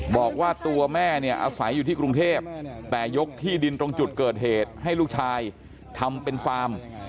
บอกว่าตัวแม่เนี่ยอาศัยอยู่ที่กรุงเทพแต่ยกที่ดินตรงจุดเกิดเหตุให้ลูกชายทำเป็นฟาร์ม